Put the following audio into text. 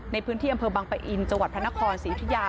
ในพื้นที่อำเภอบังปะอินจังหวัดพระนครศรีอุทิยา